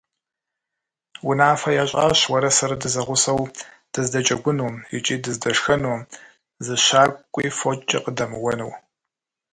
Унафэ ящӀащ уэрэ сэрэ дызэгъусэу дыздэджэгуну, икӀи дыздэшхэну, зы щакӀуи фочкӀэ къыдэмыуэну.